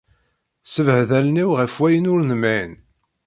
Ssebɛed allen-iw ɣef wayen ur nemɛin.